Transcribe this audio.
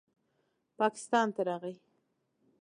پاکستان ته راغے